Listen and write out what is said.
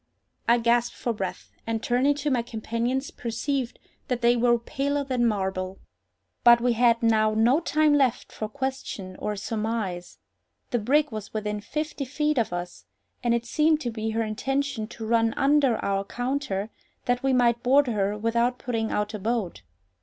I gasped for breath, and turning to my companions, perceived that they were paler than marble. But we had now no time left for question or surmise—the brig was within fifty feet of us, and it seemed to be her intention to run under our counter, that we might board her without putting out a boat.